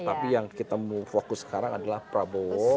tapi yang kita mau fokus sekarang adalah prabowo